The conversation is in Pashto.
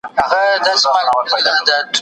ستونزې څنګه حل کېږي.